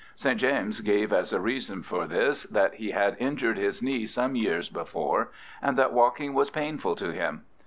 St. James gave as a reason for this that he had injured his knee some years before, and that walking was painful to him.